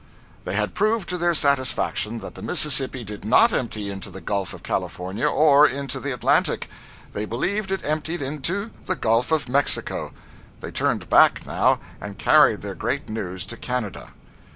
They had proved to their satisfaction, that the Mississippi did not empty into the Gulf of California, or into the Atlantic. They believed it emptied into the Gulf of Mexico. They turned back, now, and carried their great news to Canada.